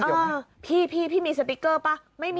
เออพี่มีสติ๊กเกอร์ป่ะ